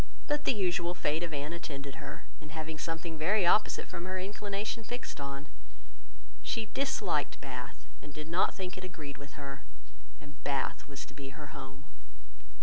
But the usual fate of Anne attended her, in having something very opposite from her inclination fixed on. She disliked Bath, and did not think it agreed with her; and Bath was to be her home.